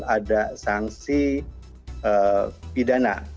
ada sanksi pidana